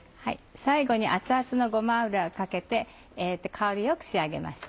最後に熱々のごま油をかけて香りよく仕上げました。